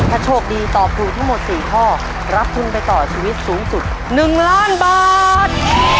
ถ้าโชคดีตอบถูกทั้งหมด๔ข้อรับทุนไปต่อชีวิตสูงสุด๑ล้านบาท